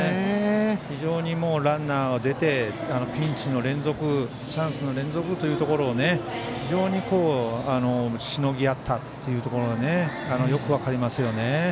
非常にランナーが出てピンチの連続チャンスの連続というところをしのぎあったというところがよく分かりますよね。